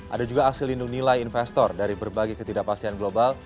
ada juga hasil lindung nilai investor dari berbagai ketidakpastian global